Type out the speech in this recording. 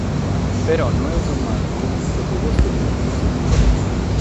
Però no amus mancu totu custu tempus.